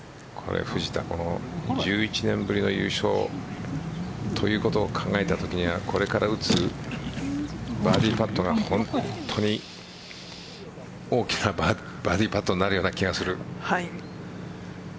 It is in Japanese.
藤田１１年ぶりの優勝ということを考えたときにはこれから打つバーディーパットが本当に大きなバーディーパットになるような気がする。